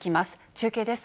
中継です。